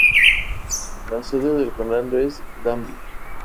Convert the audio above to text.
La sede de condado es Danville.